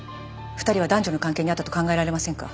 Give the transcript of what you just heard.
２人は男女の関係にあったと考えられませんか？